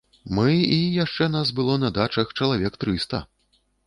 Мы і яшчэ нас было на дачах чалавек трыста!